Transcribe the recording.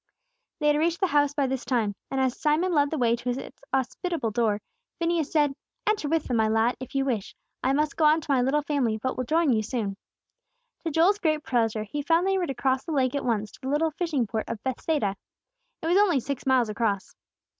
They had reached the house by this time, and as Simon led the way to its hospitable door, Phineas said, "Enter with them, my lad, if you wish. I must go on to my little family, but will join you soon." To Joel's great pleasure, he found they were to cross the lake at once, to the little fishing port of Bethsaida. It was only six miles across.